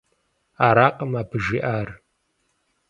Аракъым абы жиӏар.